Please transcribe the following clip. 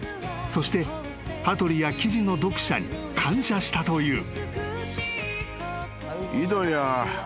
そして羽鳥や記事の読者に感謝したという］